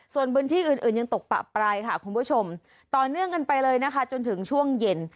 ส่วนพื้นที่อื่นยังตกปะปลายค่ะคุณผู้ชมต่อเนื่องกันไปเลยนะคะจนถึงช่วงเย็น